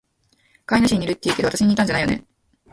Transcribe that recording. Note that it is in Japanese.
飼い主に似るって言うけど、わたしに似たんじゃないよね？